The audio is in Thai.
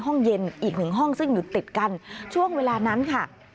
ห้องเย็นอีกหนึ่งห้องซึ่งอยู่ติดกันช่วงเวลานั้นค่ะ